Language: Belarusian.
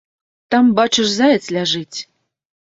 Там, бачыш, заяц ляжыць.